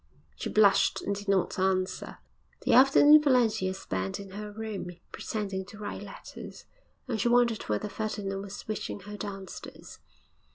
She blushed and did not answer. The afternoon Valentia spent in her room, pretending to write letters, and she wondered whether Ferdinand was wishing her downstairs.